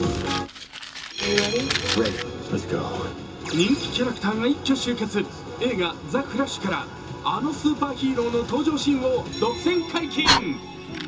人気キャラクターが一挙集結、映画「ザ・フラッシュ」からあのスーパーヒーローの登場シーンを独占解禁。